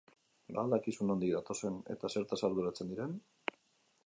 Ba al dakizu nondik datozen eta zertaz arduratzen diren?